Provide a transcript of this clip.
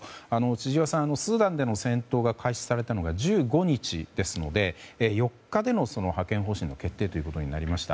千々岩さん、スーダンでの戦闘が開始されたのが１５日ですので４日での派遣方針決定となりました。